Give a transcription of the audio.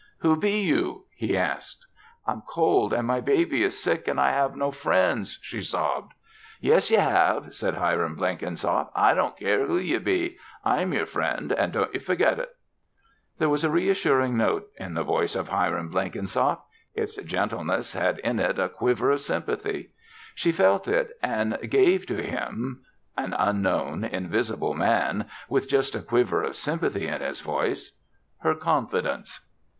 "Who be you?" he asked. "I'm cold, and my baby is sick, and I have no friends," she sobbed. "Yes, ye have!" said Hiram Blenkinsop. "I don't care who ye be. I'm yer friend and don't ye fergit it." There was a reassuring note in the voice of Hiram Blenkinsop. Its gentleness had in it a quiver of sympathy. She felt it and gave to him an unknown, invisible man, with just a quiver of sympathy in his voice her confidence.